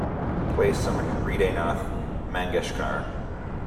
Play some Hridaynath Mangeshkar